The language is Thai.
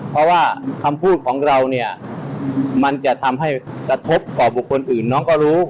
เพราะว่าคำพูดของเราเนี่ยมันจะทำให้กระทบต่อบุคคลอื่นน้องก็รู้